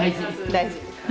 大事。